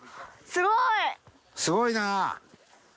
すごいな！